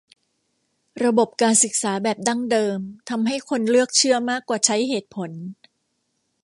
ระบบการศึกษาแบบดั้งเดิมทำให้คนเลือกเชื่อมากกว่าใช้เหตุผล